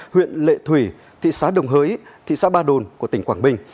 huyện lệ thủy thị xã đồng hới thị xã ba đồn của tỉnh quảng bình